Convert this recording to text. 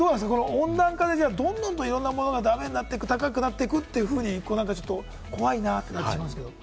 温暖化でどんどんと、いろんなものが駄目になっていく、高くなっていくというふうに、怖いなとなってしまうんですけれども。